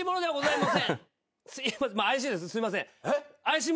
はい。